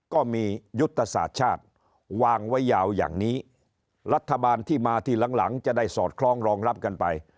ก็มียุทธศาสตร์ชาติวางไว้ยาวอย่างนี้รัฐบาลที่มาทีหลังหลังจะได้สอดคล้องรองรับกันไป